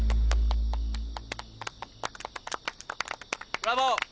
ブラボー。